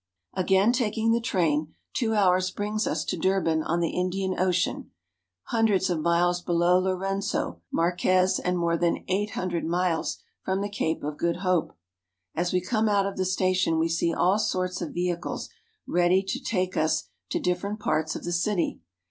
Again taking the train, two hours brings us to Durban on the Indian Ocean, hundreds of miles below Louren^o Marquez and more than eight hundred miles from the Cape of Good Hope. As we come out of the station, we see all sorts of vehicles ready to take US to different parts of the city.